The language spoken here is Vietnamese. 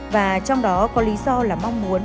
và trong đó có lý do là mong muốn